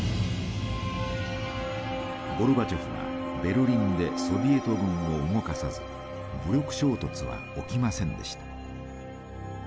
ゴルバチョフはベルリンでソビエト軍を動かさず武力衝突は起きませんでした。